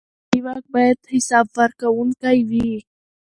اداري واک باید حساب ورکوونکی وي.